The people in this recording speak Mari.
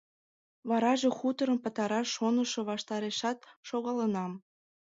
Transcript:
Вараже хуторым пытараш шонышо ваштарешат шогалынам.